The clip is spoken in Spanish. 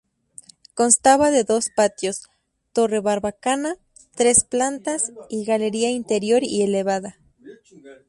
Constaba de dos patios, torre barbacana, tres plantas y galería interior y elevada.